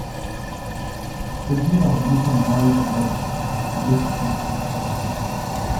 The girl later married another, less principled officer.